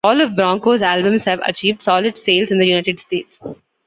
All of Bronco's albums have achieved solid sales in the United States.